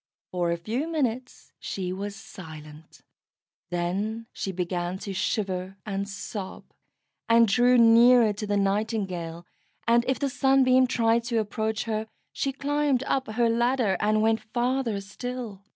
For a few minutes she was silent; then she began to shiver and sob, and drew nearer to the Nightingale, and if the Sunbeam tried to approach her, she climbed up her ladder, and went farther still.